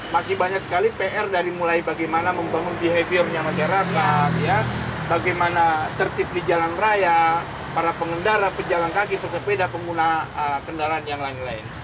masih banyak sekali pr dari mulai bagaimana membangun behaviornya masyarakat ya bagaimana tertip di jalan raya para pengendara pejalan kaki pesepeda pengguna kendaraan yang lain lain